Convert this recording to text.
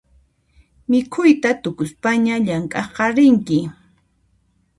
Mikhuyta tukuspaña llamk'aqqa rinki